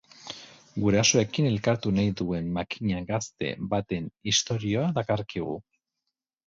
Gurasoekin elkartu nahi duen makina gazte baten istorioa dakarkigu.